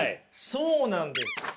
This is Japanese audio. そうなんです。